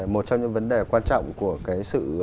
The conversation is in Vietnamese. một trong những vấn đề quan trọng của cái sự